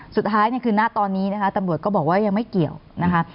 สุดท้ายเนี่ยคือหน้าตอนนี้นะคะตำรวจก็บอกว่ายังไม่เกี่ยวนะคะ